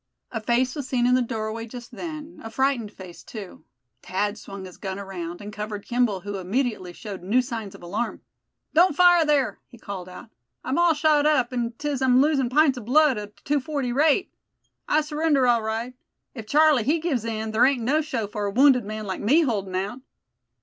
A face was seen in the doorway just then, a frightened face too. Thad swung his gun around, and covered Kimball, who immediately showed new signs of alarm. "Don't fire, there!" he called out; "I'm all shot up as 'tis, an' losin' pints of blood at a two forty rate. I surrender, all right! If Charlie, he gives in, there ain't no show for a wounded man like me holding out."